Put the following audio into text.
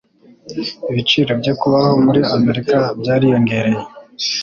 Ibiciro byo kubaho muri Amerika byariyongereye.